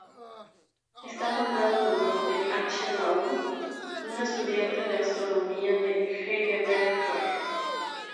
Está nombrado en honor de H. Baum, un estudiante de astronomía de Heidelberg.